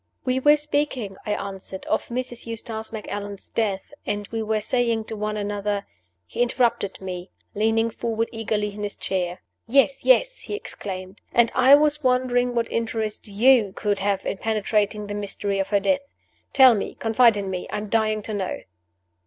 "We were speaking," I answered, "of Mrs. Eustace Macallan's death, and we were saying to one another " He interrupted me, leaning forward eagerly in his chair. "Yes! yes!" he exclaimed. "And I was wondering what interest you could have in penetrating the mystery of her death. Tell me! Confide in me! I am dying to know!"